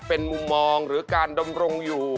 เป็นมุมมองหรือการดำรงอยู่